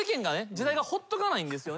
時代がほっとかないんですよね。